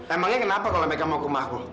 emangnya kenapa kalau mereka mau ke rumahku